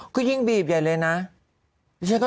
ก็ยิ่งบีบใหญ่เลยนะ